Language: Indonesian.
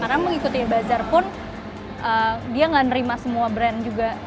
karena mengikuti bazar pun dia gak nerima semua brand juga